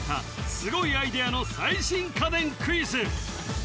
すごいアイデアの最新家電クイズ